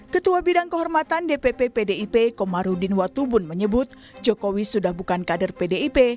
ketua bidang kehormatan dpp pdip komarudin watubun menyebut jokowi sudah bukan kader pdip